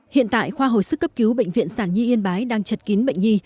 hiện tại khoa hồi sức cấp cứu bệnh viện sản nhi yên bái đang chật kín bệnh nhi